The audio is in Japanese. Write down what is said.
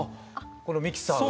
このミキサーが？